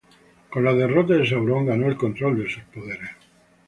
Con la derrota de Sauron, ganó el control de sus poderes.